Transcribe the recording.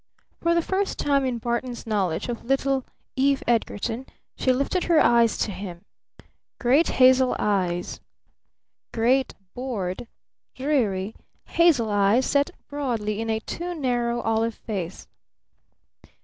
For the first time in Barton's knowledge of little Eve Edgarton she lifted her eyes to him great hazel eyes, great bored, dreary, hazel eyes set broadly in a too narrow olive face.